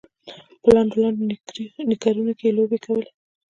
په لنډو لنډو نیکرونو کې یې لوبې کولې.